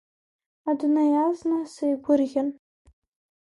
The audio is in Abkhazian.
Адунеи азна сеигәырӷьан…